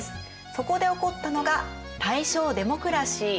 そこでおこったのが「大正デモクラシー」。